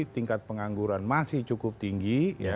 tingkat pengangguran masih cukup tinggi